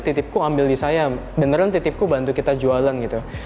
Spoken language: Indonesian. titipku ambil di saya beneran titipku bantu kita jualan gitu